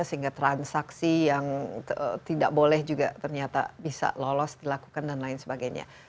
sehingga transaksi yang tidak boleh juga ternyata bisa lolos dilakukan dan lain sebagainya